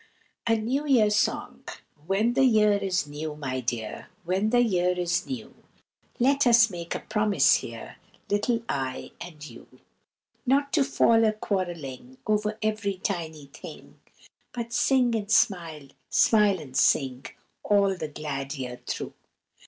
A NEW YEAR SONG. When the year is new, my dear, When the year is new, Let us make a promise here, Little I and you, Not to fall a quarrelling Over every tiny thing, But sing and smile, smile and sing, All the glad year through.